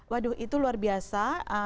waduh itu luar biasa